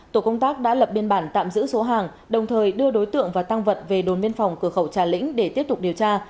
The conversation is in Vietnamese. tổ công tác đã lập biên bản tạm giữ số hàng đồng thời đưa đối tượng và tăng vật về đồn biên phòng cửa khẩu trà lĩnh để tiếp tục điều tra